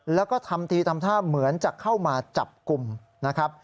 แล้วก็ทำทีทำท่าเหมือนจะเข้ามาจับกลุ่มนะครับ